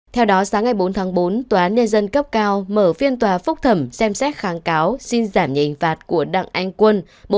theo đó sáng ngày bốn tháng bốn tòa án nhân dân cấp cao mở phiên tòa phúc thẩm xem xét kháng cáo xin giảm nhì hình phạt của đặng anh quân